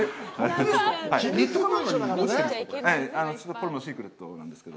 これもシークレットなんですけど。